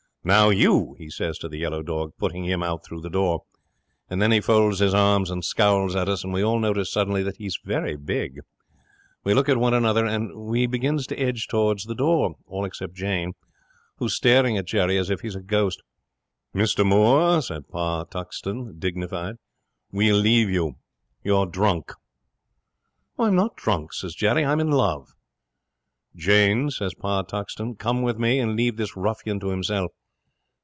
"Now you," he says to the yellow dog, putting him out through the door. And then he folds his arms and scowls at us, and we all notice suddenly that he's very big. We look at one another, and we begins to edge towards the door. All except Jane, who's staring at Jerry as if he's a ghost. '"Mr Moore," says Pa Tuxton, dignified, "we'll leave you. You're drunk." '"I'm not drunk," says Jerry. "I'm in love." '"Jane," says Pa Tuxton, "come with me, and leave this ruffian to himself."